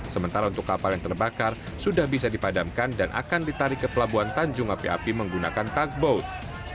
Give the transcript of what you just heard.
sementara untuk kapal yang terbakar sudah bisa dipadamkan dan akan ditarik ke pelabuhan tanjung api api menggunakan tugboat